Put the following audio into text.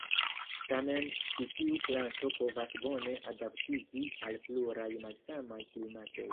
Tamen ĉi tiu planto povas bone adaptiĝi al pluraj malsamaj klimatoj.